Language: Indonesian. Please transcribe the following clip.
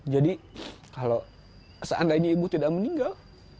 jadi kalau seandainya ibu tidak meninggal